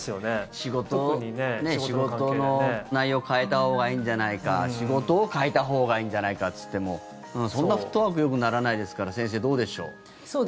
仕事の内容を変えたほうがいいんじゃないか仕事を変えたほうがいいんじゃないかっていってもそんなフットワークよくならないですから先生、どうでしょう。